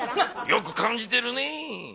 よく感じてるねぇ。